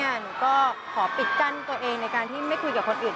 หนูก็ขอปิดกั้นตัวเองในการที่ไม่คุยกับคนอื่น